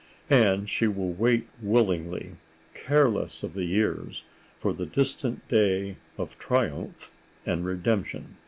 And she will wait willingly, careless of the years, for the distant day of triumph and redemption.